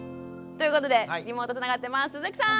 ということでリモートつながってます鈴木さん。